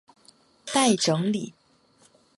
待整理